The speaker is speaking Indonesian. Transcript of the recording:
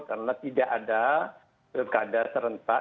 karena tidak ada perikada terhentak